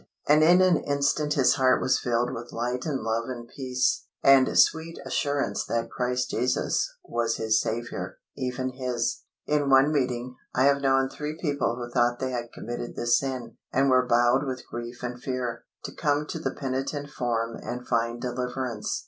And in an instant his heart was filled with light and love and peace, and sweet assurance that Christ Jesus was his Saviour, even his. In one meeting, I have known three people who thought they had committed this sin, and were bowed with grief and fear, to come to the penitent form and find deliverance.